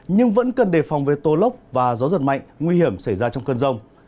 nhưng vẫn cần đề phòng với tô lốc và gió giật mạnh nguy hiểm xảy ra trong cơn rông